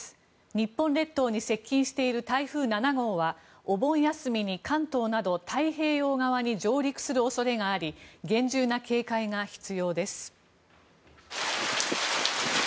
日本列島に接近している台風７号は、お盆休みに関東など太平洋側に上陸する恐れがあり厳重な警戒が必要です。